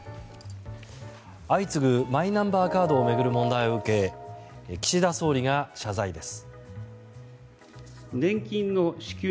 相次ぐマイナンバーカードを巡る問題を受け岸田総理が謝罪です。